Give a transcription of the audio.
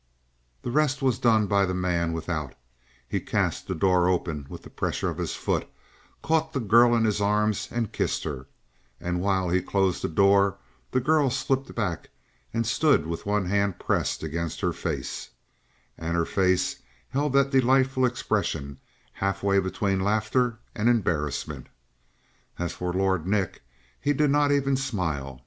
The rest was done by the man without; he cast the door open with the pressure of his foot, caught the girl in his arms, and kissed her; and while he closed the door the girl slipped back and stood with one hand pressed against her face, and her face held that delightful expression halfway between laughter and embarrassment. As for Lord Nick, he did not even smile.